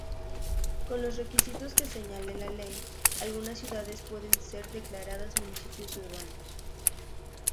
Con los requisitos que señale la ley, algunas ciudades pueden ser declaradas municipios urbanos.